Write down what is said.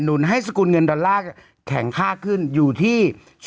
นุนให้สกุลเงินดอลลาร์แข็งค่าขึ้นอยู่ที่